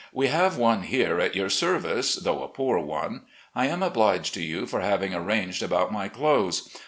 We have one here at your service, though a poor one. I am obliged to you for having arranged about my clothes.